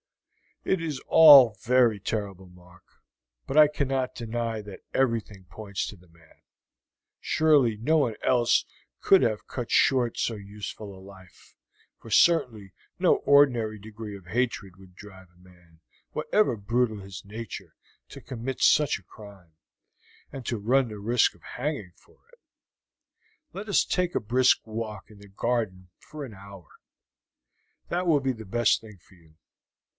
"It is all very terrible, Mark; but I cannot deny that everything points to the man. Surely no one else could have cut short so useful a life, for certainly no ordinary degree of hatred would drive a man, however brutal his nature, to commit such a crime, and to run the risk of hanging for it. Let us take a brisk walk in the garden for an hour that will be the best thing for you.